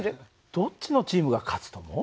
どっちのチームが勝つと思う？